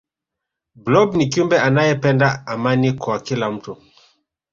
blob ni kiumbe anayependa amani kwa kila mtu